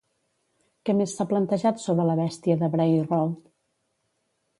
Què més s'ha plantejat sobre la Bèstia de Bray Road?